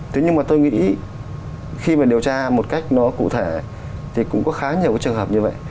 thế nhưng mà tôi nghĩ khi mà điều tra một cách nó cụ thể thì cũng có khá nhiều cái trường hợp như vậy